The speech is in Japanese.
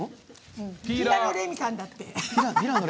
ピラ野レミさんだって。